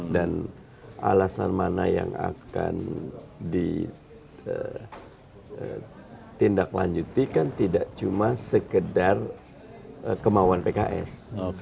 dan alasan mana yang akan ditindaklanjutkan tidak cuma sekedar kemauan pks